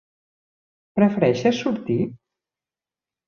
Prefereixes sortir?